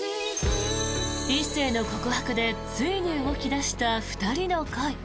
一星の告白でついに動き出した２人の恋。